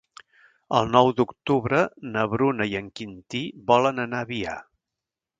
El nou d'octubre na Bruna i en Quintí volen anar a Avià.